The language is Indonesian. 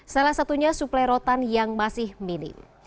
salah satunya suplai rotan yang masih minim